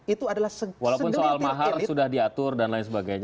itu adalah segelintir elit